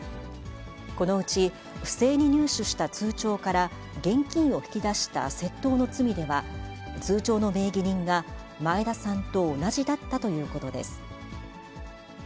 このうち、不正に入手した通帳から現金を引き出した窃盗の罪では、通帳の名義人が前田さんと同じだったということです。